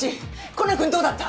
コナン君どうだった？